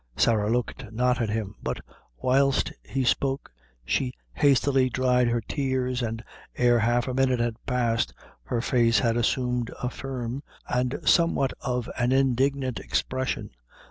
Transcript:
Sarah looked not at him; but whilst he spoke, she hastily dried her tears, and ere half a minute had passed, her face had assumed a firm and somewhat of an indignant expression.